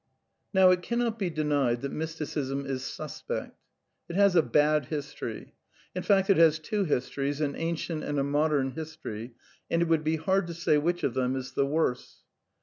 Now, it cannot be denied that Mysticism is suspect. It has a bad history. In fact it has two histories, an ancient and a modern history ; and it would be hard to say which of them is the worse.